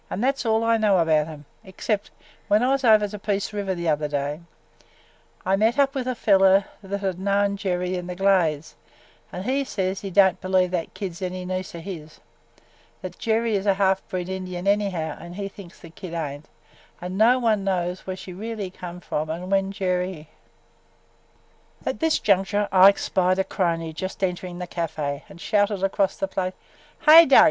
An' that 's all I know about 'em except – when I was over to Peace River the other day, I met up with a feller that 'd known Jerry in the Glades, an' he said he don't believe that kid 's any niece of his; that Jerry is a half breed Indian anyhow an' he thinks the kid ain't, an' no one knows where she really come from an' when Jerry –" At this juncture Ike spied a crony just entering the café and shouted across the place, "Hey, Doug!